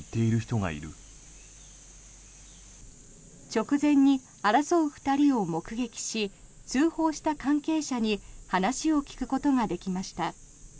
直前に争う２人を目撃し通報した関係者に話を聞くことができました。